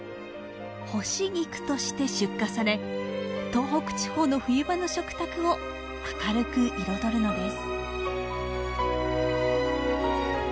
「干し菊」として出荷され東北地方の冬場の食卓を明るく彩るのです。